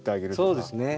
そうですね。